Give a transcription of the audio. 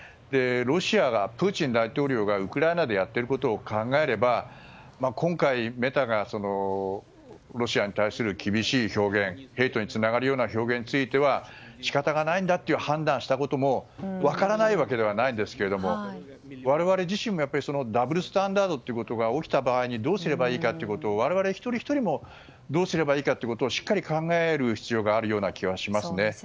ロシアがプーチン大統領がウクライナでやっていることを考えれば今回メタがロシアに対する厳しい表現、ヘイトにつながるような表現について仕方がないんだという判断をしたことも分からないわけではないんですけれども我々自身がダブルスタンダードということが起きた場合にどうすればいいか我々、一人ひとりもどうすればいいかをしっかり考える必要があるような気はしますね。